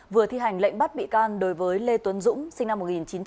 vừa thi hành lệnh bắt bị can đối với lê tuấn dũng sinh năm một nghìn chín trăm tám mươi